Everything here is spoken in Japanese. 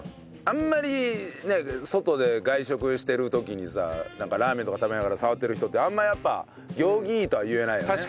あんまり外で外食してる時にさラーメンとか食べながら触ってる人ってあんまやっぱ行儀いいとは言えないよね。